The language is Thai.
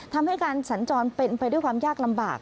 ทำให้การสัญจรเป็นไปด้วยความยากลำบาก